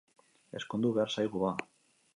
Ezkondu behar zaigu ba!